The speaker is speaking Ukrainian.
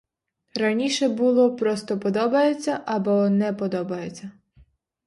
Раніше було просто подобається або не подобається.